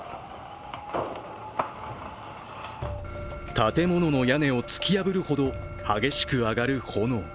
建物の屋根を突き破るほど激しく上がる炎。